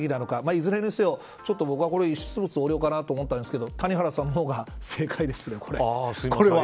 いずれにせよ、僕は、遺失物横領かなと思ったんですけど谷原さんの方が正解ですねこれは。